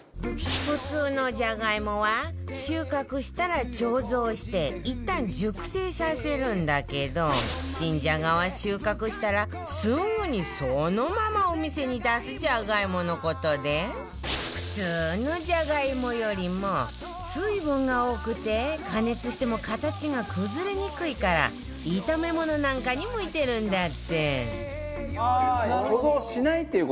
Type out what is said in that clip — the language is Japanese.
普通のじゃがいもは収穫したら貯蔵していったん熟成させるんだけど新じゃがは収穫したらすぐにそのままお店に出すじゃがいもの事で普通のじゃがいもよりも水分が多くて加熱しても形が崩れにくいから炒め物なんかに向いてるんだってへえー面白っ！